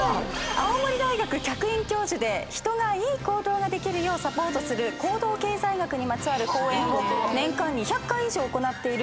青森大学客員教授で人がいい行動ができるようサポートする行動経済学にまつわる講演を年間２００回以上行っている竹林正樹先生です。